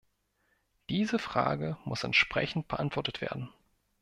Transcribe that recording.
Diese Frage muss entsprechend beantwortet werden.